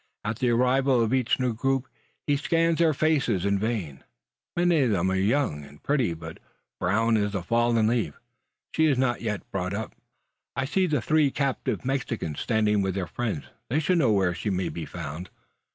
At the arrival of each new group, he scans their faces. In vain! Many of them are young and pretty, but brown as the fallen leaf. She is not yet brought up. I see the three captive Mexicans standing with their friends. They should know where she may be found.